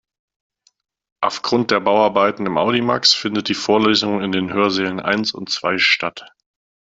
Aufgrund der Bauarbeiten im Audimax findet die Vorlesung in den Hörsälen eins und zwei statt.